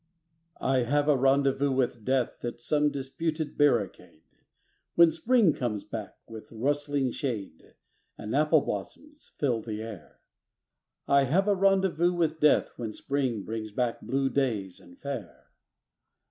I have a rendezvous with Death At some disputed barricade, When Spring comes back with rustling shade And apple blossoms fill the air I have a rendezvous with Death When Spring brings back blue days and fair.